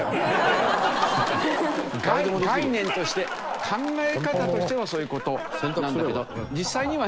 概念として考え方としてはそういう事なんだけど。